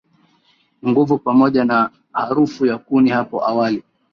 nguvu pamoja na harufu ya kuni Hapo awali